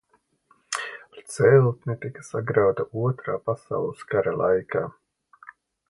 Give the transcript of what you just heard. Celtne tika sagrauta Otrā pasaules kara laikā.